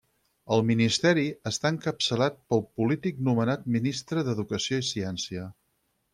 El ministeri està encapçalat pel polític nomenat Ministre d'Educació i Ciència.